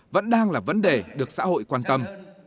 vẫn đang là vấn đề được xã hội quan tâm